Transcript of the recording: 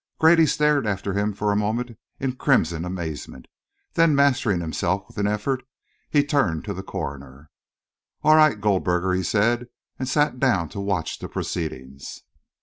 Grady stared after him for a moment in crimson amazement. Then, mastering himself with an effort, he turned to the coroner. "All right, Goldberger," he said, and sat down to watch the proceedings.